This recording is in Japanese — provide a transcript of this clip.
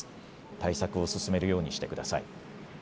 対策を進めるようにしてください。